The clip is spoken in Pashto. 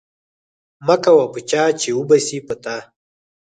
مکوه په چا چی و به سی په تا